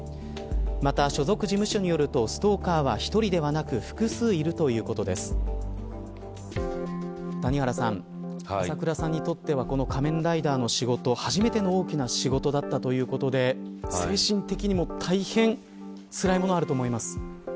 また所属事務所によるとストーカーは１人ではなく谷原さん浅倉さんにとってはこの仮面ライダーの仕事初めての大きな仕事だったということで精神的にも大変つらいものがあると思います。